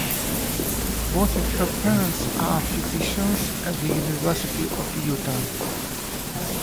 Both of her parents are physicians at the University of Utah.